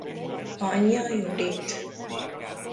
Anyja Judith.